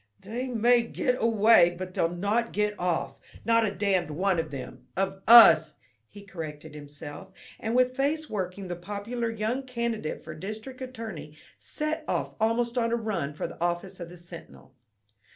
"They may get away, but they'll not get off not a damned one of them of us," he corrected himself, and with face working the popular young candidate for district attorney set off almost on a run for the office of the Sentinel.